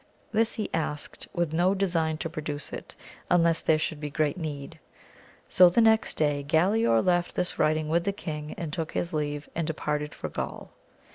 This he asked with no design to produce it, unless there should be great need. So the next day Galaor left this writing with the king, and took his leave, and de parted for Gaul.